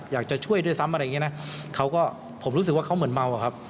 อยากจะช่วยด้วยซ้ำอะไรอย่างเงี้นะเขาก็ผมรู้สึกว่าเขาเหมือนเมาอะครับ